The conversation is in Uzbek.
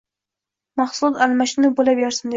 mahsulot almashinuv bo‘laversin» dedi.